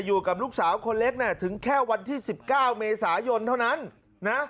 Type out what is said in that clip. อยู่กับลูกสาวคนเล็กเนี่ยถึงแค่วันที่๑๙เมษายนเท่านั้นนะ